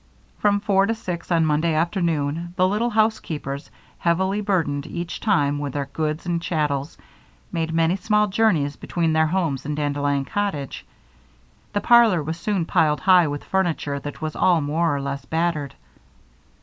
From four to six on Monday afternoon, the little housekeepers, heavily burdened each time with their goods and chattels, made many small journeys between their homes and Dandelion Cottage. The parlor was soon piled high with furniture that was all more or less battered.